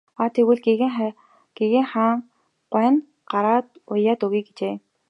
Аа тэгвэл гэгээн хаан гуай нь гараад уяад өгье гэжээ.